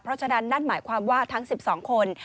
เพราะฉะนั้นนั่นหมายความว่าทั้ง๑๒คน